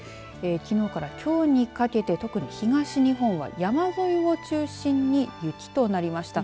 きのうからきょうにかけて特に東日本は山沿いを中心に雪となりました。